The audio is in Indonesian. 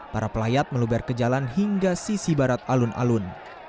para pelayat meluber ke jalan hingga sisi barat alun alun